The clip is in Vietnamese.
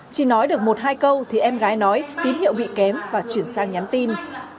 chỉ nói được một hai câu thì em gái nói tín hiệu bị kém và chuyển sang nhắn tin